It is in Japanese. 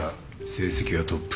成績はトップ。